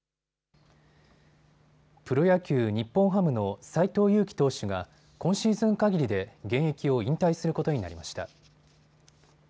プロ野球、日本ハムの斎藤佑樹投手が今シーズン限りで現役を引退することになりました。